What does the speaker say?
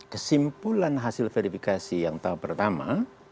kesimpulan hasil verifikasi yang tahap pertama